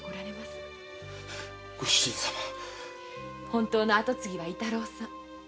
本当の跡取りは伊太郎さん。